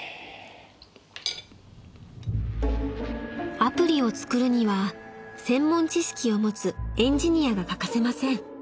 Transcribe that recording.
［アプリを作るには専門知識を持つエンジニアが欠かせません］